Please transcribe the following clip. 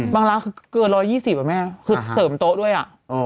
ร้านคือเกิน๑๒๐อ่ะแม่คือเสริมโต๊ะด้วยอ่ะ